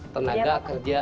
tenaga kerja tkhl namanya